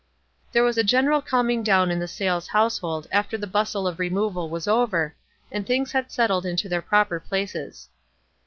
There was a general calming down in the 180 WISE AND OTHERWISE. Sayles household after the bustle of removal was over, and things had settled into their proper places.